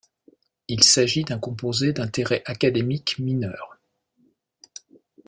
Il s'agit d'un composé d'intérêt académique mineur.